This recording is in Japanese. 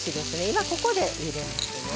今ここで入れますね。